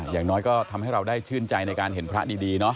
อย่างน้อยก็ทำให้เราได้ชื่นใจในการเห็นพระดีเนาะ